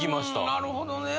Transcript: なるほどね。